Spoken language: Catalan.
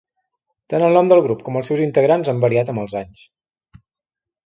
Tant el nom del grup com els seus integrants han variat amb els anys.